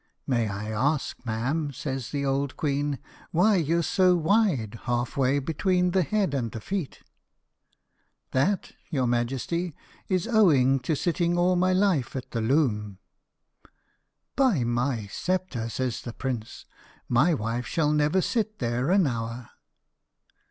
"May I ask, ma'am?" says the old queen, "why you're so wide half way between the head and the feet?" "That, your majesty, is owing to sitting all my life at the loom." "By my sceptre," says the prince, "my wife shall never sit there an hour."